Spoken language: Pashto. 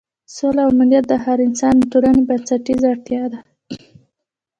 سوله او امنیت د هر انسان او ټولنې بنسټیزه اړتیا ده.